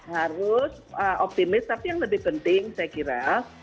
harus optimis tapi yang lebih penting saya kira